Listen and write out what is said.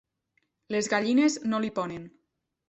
Les gallines no li ponen.